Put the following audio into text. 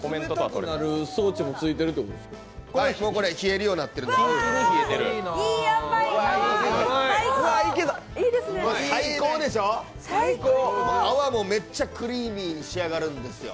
これ、冷えるようになってる最高でしょ、泡もめっちゃクリーミーに仕上がるんですよ。